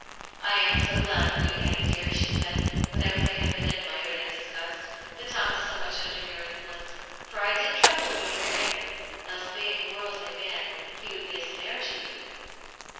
" I am so glad for you, Annie . dear," she said, when everything had been admired and discussed, " that Tom is so much under your influence. For I did tremble when you married him, lest being a worldly man, he would be a snare to you."